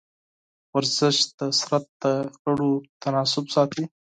ورزش د بدن د غړو تناسب ساتي.